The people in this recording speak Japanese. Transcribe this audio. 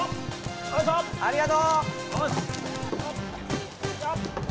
ありがとう！